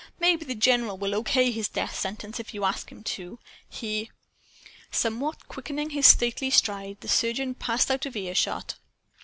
Maybe the general will O.K. his death sentence, if you ask him to. He " Somewhat quickening his stately stride, the surgeon passed out of earshot.